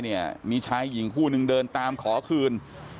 ใครอีกผู้นึงเดินตามขอคืน